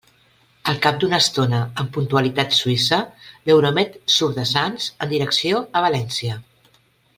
Al cap d'una estona, amb puntualitat suïssa, l'Euromed surt de Sants en direcció a València.